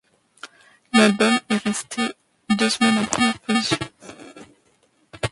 L’album est resté deux semaines en première position.